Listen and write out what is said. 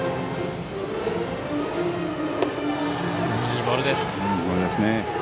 いいボールです。